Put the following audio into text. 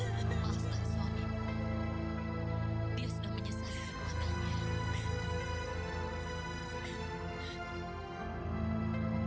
aku gak akan maafin kamu